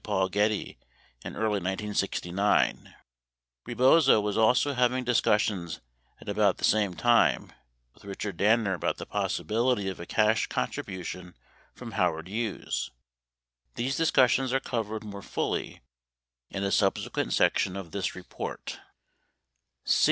Paul Getty in early 1969, Rebozo was also having discussions at about the same time with Richard Danner about the possibility of a cash con tribution from Howard Hughes. These discussions are covered more fully in a subsequent section of this report.